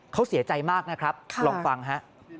เขาเสียใจมากนะครับลองฟังฮะ